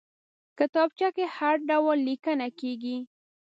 کتابچه کې هر ډول لیکنه کېږي